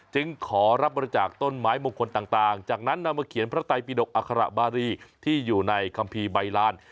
จึงขอรับบริจาคต้นไม้มงคลต่างจากนั้นนำมาเขียนพระไตปิดกอัคระบารีที่อยู่ในคัมภีร์ใบลาน